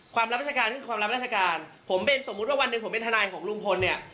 รับราชการคือความรับราชการผมเป็นสมมุติว่าวันหนึ่งผมเป็นทนายของลุงพลเนี่ย